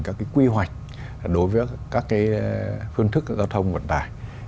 các quy hoạch đối với các phương thức giao thông vận tải